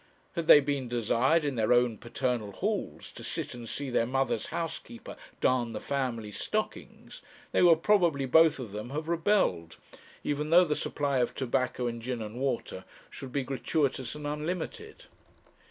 Had they been desired, in their own paternal halls, to sit and see their mother's housekeeper darn the family stockings, they would, probably, both of them have rebelled, even though the supply of tobacco and gin and water should be gratuitous and unlimited.